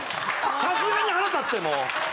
さすがに腹立ってもう。